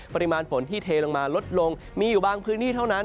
ปริมาณฝนที่เทลงมาลดลงมีอยู่บางพื้นที่เท่านั้น